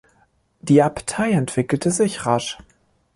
Die Abtei entwickelte sich rasch.